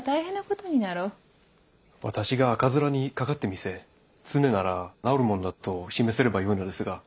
私が赤面にかかって見せ常なら治るものだと示せればよいのですが。